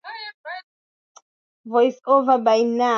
mtu anakwambia hata uweke jiwe ccm itashinda